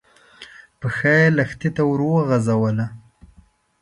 پښه يې لښتي ته ور وغځوله.